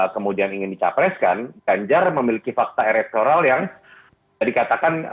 kemudian ingin dicapreskan ganjar memiliki fakta elektoral yang dikatakan